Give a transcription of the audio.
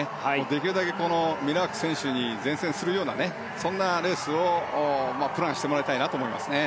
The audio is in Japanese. できるだけミラーク選手に善戦するようなそんなレースをプランしてもらいたいなと思いますね。